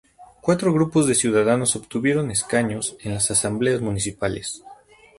Cuatro grupos de ciudadanos obtuvieron escaños en las Asambleas Municipales.